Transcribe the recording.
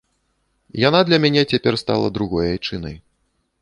Яна для мяне цяпер стала другой айчынай.